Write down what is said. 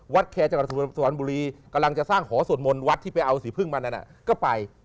วัดแคร์จังหาสวรรค์สวรรค์บุรีกำลังจะสร้างหอส่วนมนตร์วัดที่ไปเอาสีพึ่งมันนั้นก็ไป